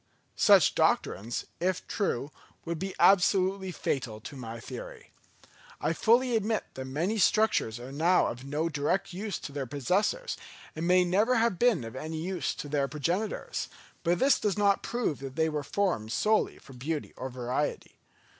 Such doctrines, if true, would be absolutely fatal to my theory. I fully admit that many structures are now of no direct use to their possessors, and may never have been of any use to their progenitors; but this does not prove that they were formed solely for beauty or variety.